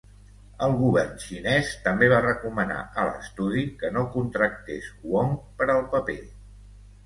El govern xinès també va recomanar a l'estudi que no contractés Wong per al paper.